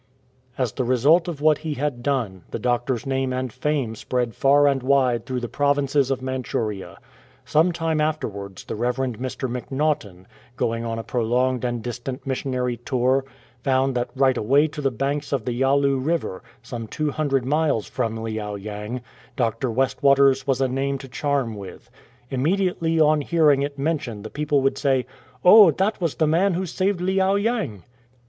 As the result of what he had done, the doctor's name and fame spread far and wide through the provinces of Manchuria. Some time afterwards the Rev. Mr. Mac Naughtan, going on a prolonged and distant missionary tour, found that right away to the banks of the Yalu River, some 200 miles from Liao yang, Dr. West water's was a name to charm with. Immediately on bearing it mentioned the people would say, " Oh, that was the man who saved Liao yang."